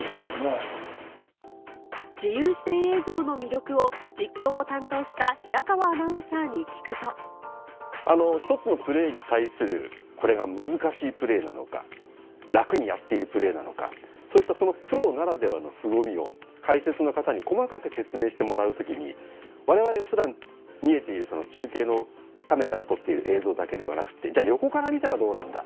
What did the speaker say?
自由視点映像の魅力を実況を担当した平川アナウンサーに聞くと１つのプレーに対するこれが難しいプレーなのか楽にやっているプレーなのかそういったそのプロならではのすごみを解説の方に細かく説明してもらう時に我々が普段見えているその中継のカメラで撮っている映像だけではなくてじゃ横から見たらどうなんだ？